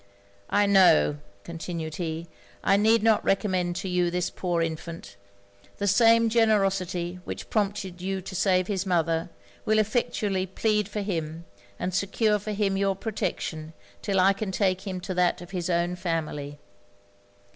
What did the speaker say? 'I know,' continued he, 'I need not recommend to you this poor infant: the same generosity which prompted you to save his mother, will effectually plead for him, and secure for him your protection 'till I can take him to that of his own family.